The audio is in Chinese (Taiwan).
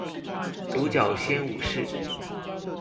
獨角仙武士